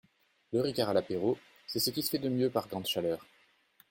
Le Ricard à l’apéro c’est ce qui se fait de mieux par grande chaleur.